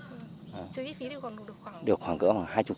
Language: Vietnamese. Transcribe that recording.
trừ chi phí thì còn được khoảng